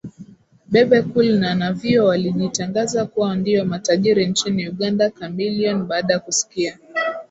Bebe Cool na Navio walijitangaza kuwa ndiyo matajiri nchini Uganda Chameleone baada kusikia